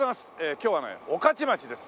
今日はね御徒町です。